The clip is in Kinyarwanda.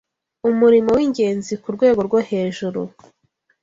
Umurimo w’Ingenzi ku Rwego rwo Hejuru